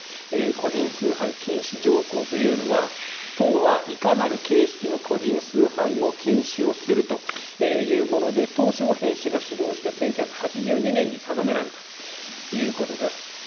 個人崇拝禁止条項というのは党はいかなる形式の個人崇拝も禁止をするというものでトウ・ショウヘイ氏が主導して１９８２年に定められたということです。